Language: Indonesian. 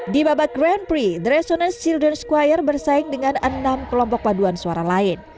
di babak grand prix the resonance ylden schoir bersaing dengan enam kelompok paduan suara lain